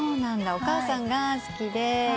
お母さんが好きでよく。